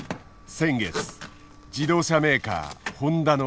先月自動車メーカーホンダの開発